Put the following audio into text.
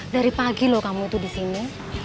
dari pagi loh kamu tuh disini